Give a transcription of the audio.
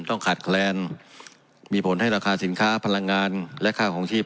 ต้องขาดแคลนมีผลให้ราคาสินค้าพลังงานและค่าของชีพ